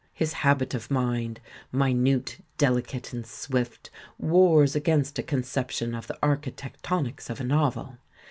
His habit of mind — minute, delicate and swift — wars against a conception of the archi tectonics of a novel.